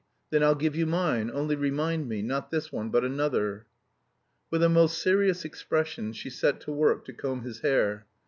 Then I'll give you mine; only remind me, not this one but another." With a most serious expression she set to work to comb his hair.